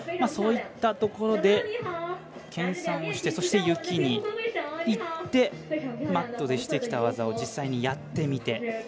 そういったところでそして、雪にいってマットでしてきた技を実際にやってみて。